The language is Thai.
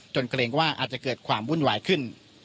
เกรงว่าอาจจะเกิดความวุ่นวายขึ้น